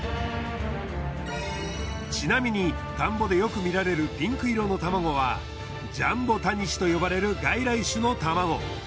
ちなみに田んぼでよく見られるピンク色の卵はジャンボタニシと呼ばれる外来種の卵。